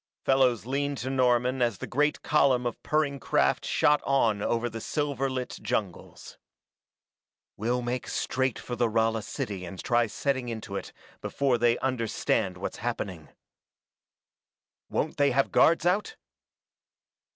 Fellows leaned to Norman as the great column of purring craft shot on over the silver lit jungles. "We'll make straight for the Rala city and try setting into it before they understand what's happening." "Won't they have guards out?"